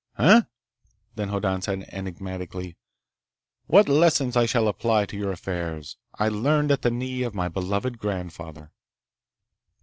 "Eh?" Then Hoddan said enigmatically, "What lessons I shall apply to your affairs, I learned at the knee of my beloved grandfather."